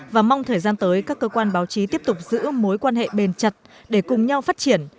và mong thời gian tới các cơ quan báo chí tiếp tục giữ mối quan hệ bền chặt để cùng nhau phát triển